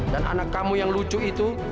dan anak kamu yang lucu itu